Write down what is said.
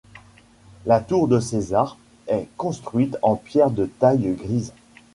La Tour de César est construite en pierres de taille grises.